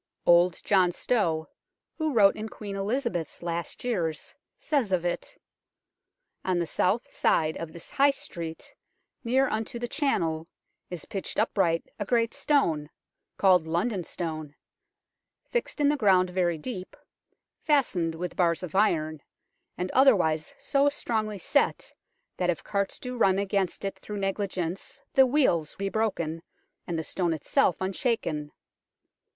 Old John Stow, who wrote in Queen Eliza beth's last years, says of it : "On the south side of this high street, near unto the channel, is pitched upright a great stone, called London Stone, fixed in the ground very deep, fastened with bars of iron, and otherwise so strongly set, that if carts do run against it through negligence the wheels be broken and the stone itself un shaken.